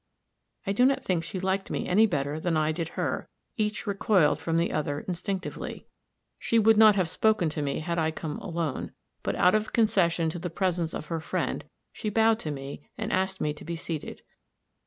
I do not think she liked me any better than I did her; each recoiled from the other instinctively; she would not have spoken to me had I come alone; but out of concession to the presence of her friend, she bowed to me and asked me to be seated.